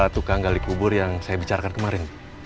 tukang gali kubur yang saya bicarakan kemarin